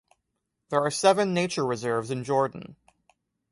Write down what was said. There are seven nature reserves in Jordan.